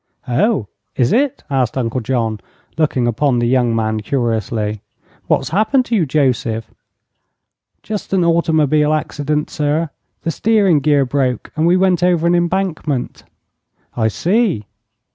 "Oh; is it?" asked Uncle John, looking upon the young man curiously. "What's happened to you, Joseph?" "Just an automobile accident, sir. The steering gear broke, and we went over an embankment." "I see."